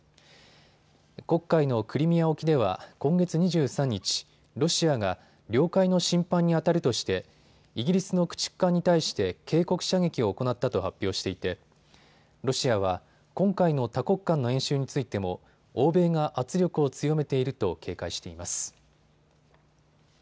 黒海のクリミア沖では今月２３日、ロシアが領海の侵犯にあたるとしてイギリスの駆逐艦に対して警告射撃を行ったと発表していてロシアは、今回の多国間の演習についても欧米が圧力を強めていると警戒しています。